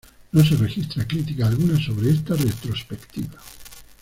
No se registra critica alguna sobre esta retrospectiva.